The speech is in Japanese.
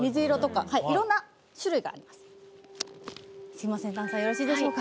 すいません檀さんよろしいでしょうか？